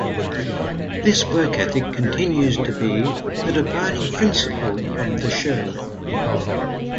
This work ethic continues to be the defining principle of the show.